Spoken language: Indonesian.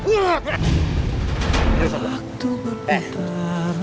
gue gak ada urusan sama lo ya